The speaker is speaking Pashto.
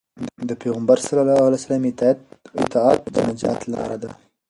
د پيغمبر ﷺ اطاعت د نجات لار ده.